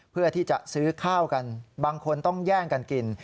เพื่อที่จะซื้อข้าวกันบางคนต้องแย่งกันกิน